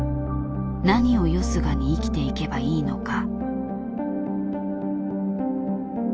何をよすがに生きていけばいいのか。